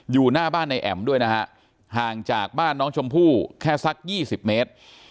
อยู่หน้าบ้านในแอ๋มด้วยนะฮะห่างจากบ้านน้องชมพู่แค่สัก๒๐เมตร